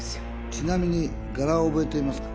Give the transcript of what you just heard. ちなみに柄を覚えていますか？